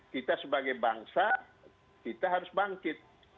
kita sebagai bangsa kita harus bangkit